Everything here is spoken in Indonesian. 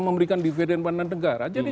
memberikan dividen banda negara jadi